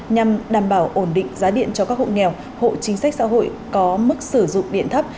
nhằm đảm bảo ổn định giá điện cho các hộ nghèo hộ chính sách xã hội có mức sử dụng điện thấp